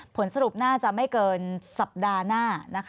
ผลสรุปน่าจะไม่เกินสัปดาห์หน้า